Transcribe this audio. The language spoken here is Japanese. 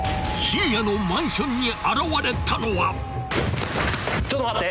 ［深夜のマンションに現れたのは］